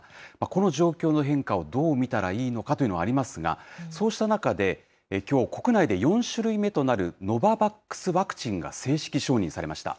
この状況の変化をどう見たらいいのかというのはありますが、そうした中で、きょう国内で４種類目となるノババックスワクチンが正式承認されました。